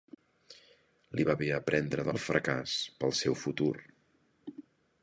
Li va bé aprendre del fracàs, pel seu futur.